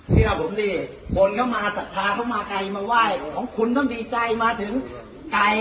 เชื่อผมดิคนเขามาศรัทธาเขามาไกลมาไหว้ของคุณต้องดีใจมาถึงไกล